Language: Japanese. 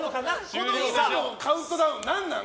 この今のカウントダウン何なん？